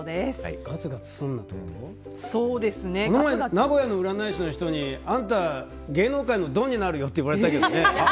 名古屋の占い師の人にあんた芸能界のドンになるよって言われたけどね。